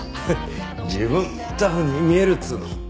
十分タフに見えるっつうの。